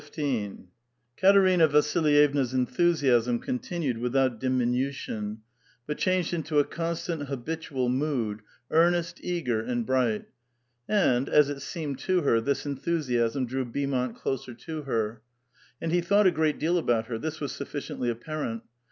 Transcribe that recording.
Katerina Vasilyevna's enthusiasm continued without dimi nution, but changed into a constant, habitual mood, earnest, .eager, and bright. And, as it seemed to her, this enthu siasm drew Beaumont closer to her. And he thought a great deal about her; this was sufficiently apparent.